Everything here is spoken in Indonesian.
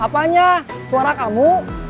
apanya suara kamu